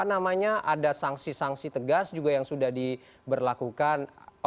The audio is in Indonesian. namanya ada sanksi sanksi tegas juga yang sudah diberlakukan